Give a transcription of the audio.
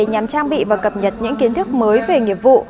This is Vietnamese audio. nhằm trang bị và cập nhật những kiến thức mới về nghiệp vụ